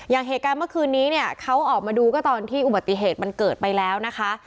อย่างเหตุการณ์เมื่อคืนนี้เนี่ยเขาออกมาดูก็ตอนที่อุบัติเหตุมันเกิดไปแล้วนะคะ